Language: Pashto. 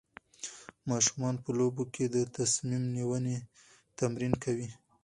ماشومان په لوبو کې د تصمیم نیونې تمرین کوي.